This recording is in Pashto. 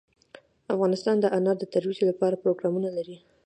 افغانستان د انار د ترویج لپاره پروګرامونه لري.